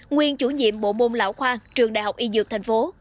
nguyên chủ nhiệm bộ môn lão khoa trường đại học y dược tp